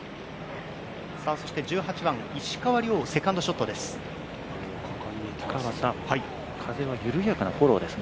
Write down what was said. そして１８番、石川遼セカンドショットです。